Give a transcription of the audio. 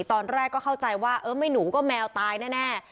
ตอนแรกก็เข้าใจว่าเออไม่หนูก็แมวตายแน่